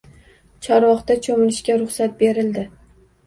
Chorvoqda choʻmilishga ruxsat berildi